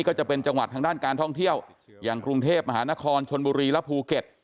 ก็จะเป็นจังหวัดทางด้านการท่องเที่ยวอย่างกรุงเทพมหานครชนบุรีและภูเก็ต